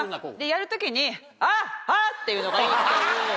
やる時に。って言うのがいいっていう。